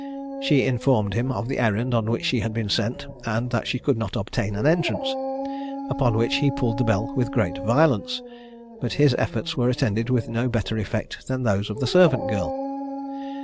She informed him of the errand on which she had been sent, and that she could not obtain an entrance, upon which he pulled the bell with great violence, but his efforts were attended with no better effect than those of the servant girl.